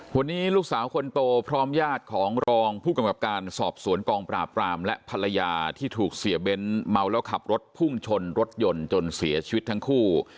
วันนี้ลูกสาวคนโตพร้อมญาติของรองผู้กำกับการสอบสวนกองปราบรามและภรรยาที่ถูกเสียเบ้นเมาแล้วขับรถพุ่งชนรถยนต์จนเสียชีวิตทั้งคู่